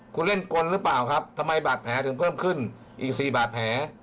คุณเล่นกลหรือเปล่าครับทำไมบาดแผลถึงเพิ่มขึ้นอีก๔บาดแผล